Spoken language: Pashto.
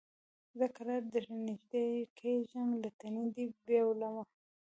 زه کرار درنیژدې کېږم له تنې دي بېلومه